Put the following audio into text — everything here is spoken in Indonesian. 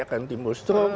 akan timbul stroke